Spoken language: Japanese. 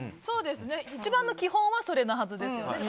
そうですね一番の基本はそのはずですね。